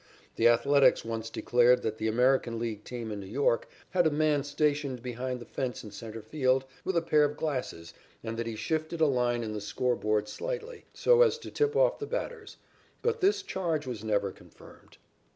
The Athletics once declared that the American League team in New York had a man stationed behind the fence in centre field with a pair of glasses and that he shifted a line in the score board slightly, so as to tip off the batters, but this charge was never confirmed.